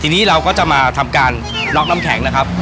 ทีนี้เราก็จะมาทำการล็อกน้ำแข็งนะครับ